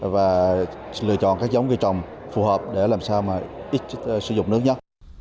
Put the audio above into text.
và lựa chọn các giống cây trồng phù hợp để làm sao mà ít sử dụng nước nhất